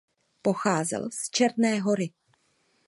Pocházel z Černé Hory.